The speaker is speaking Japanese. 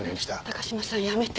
高嶋さんやめて。